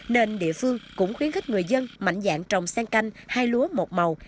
nên địa phương cũng khuyến khích người dân mạnh dạng trồng sen canh hai lúa một màu